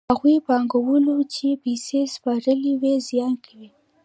هغو پانګوالو چې پیسې سپارلې وي زیان کوي